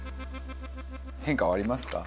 変化はありますか？